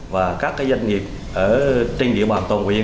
và các doanh nghiệp trên địa bàn toàn quyền